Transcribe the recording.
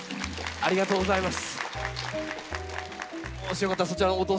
ありがとうございます。